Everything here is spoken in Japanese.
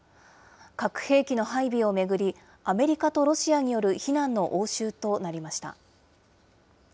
核兵器の配備を巡り、アメリカとロシアによる非難の応酬となりました。